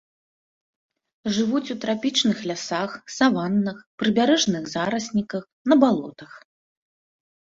Жывуць у трапічных лясах, саваннах, прыбярэжных зарасніках, на балотах.